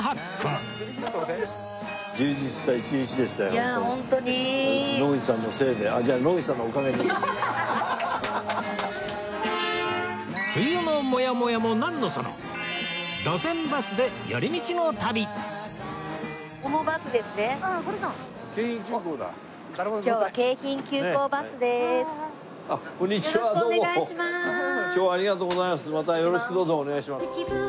またよろしくお願いします。